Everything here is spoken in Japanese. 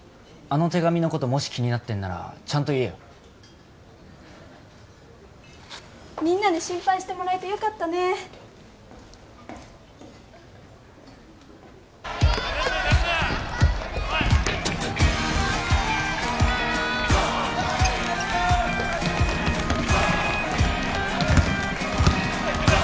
あの手紙のこともし気になってんならちゃんと言えよみんなに心配してもらえてよかったねー・祐太郎頑張って・